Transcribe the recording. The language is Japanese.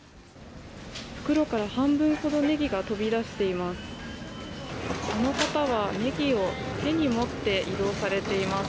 袋から半分ほどネギが飛び出しています。